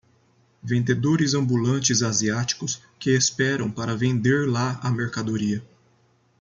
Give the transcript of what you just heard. vendedores ambulantes asiáticos que esperam para vender lá a mercadoria.